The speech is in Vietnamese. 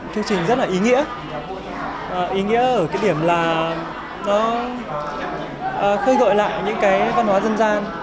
thương trình rất là ý nghĩa ý nghĩa ở cái điểm là nó khơi gọi lại những văn hóa dân gian